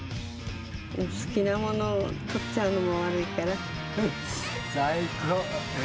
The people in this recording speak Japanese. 好きなものを取っちゃうのも最高！